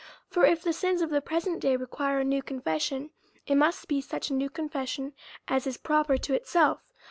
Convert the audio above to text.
For if the sins of the present day require a new con fession, it must be such a new confession as is proper to itself.